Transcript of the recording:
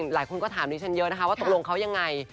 หลายคนก็ถามดิฉันเยอะนะคะว่าตกลงเขายังไง